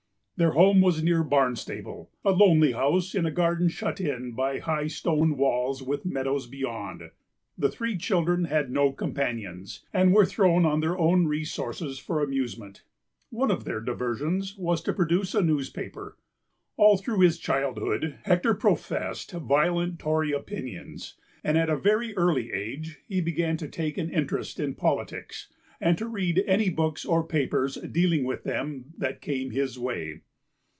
Their home was near Barnstaple, a lonely house in a garden shut in by high stone walls with meadows beyond. The three children had no companions, and were thrown on their own resources for amusement. One of their diversions was to p. xiiproduce a newspaper. All through his childhood Hector professed violent Tory opinions, and at a very early age he began to take an interest in politics and to read any books or papers dealing with them that came his way.